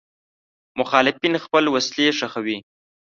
مخالفین خپل وسلې ښخوي.